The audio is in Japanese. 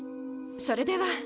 それでは。